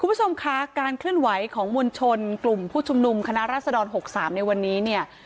คุณผู้ชมคะการเคลื่อนไหวของมวลชนกลุ่มผู้ชุมนุมคณะรัศดร๖๓ในวันนี้เนี่ย